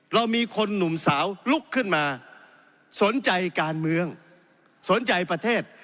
เรามีคนหนุ่มสาวลุกขึ้นมาสนใจการเมืองสนใจประเทศ